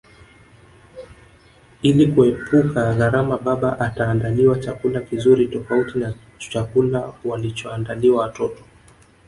Ili kuepuka gharama baba ataandaliwa chakula kizuri tofauti na chakula walichoandaliwa watoto